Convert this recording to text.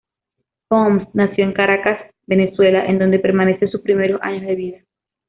Pons nació en Caracas, Venezuela, en donde permaneció sus primeros años de vida.